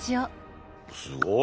すごい！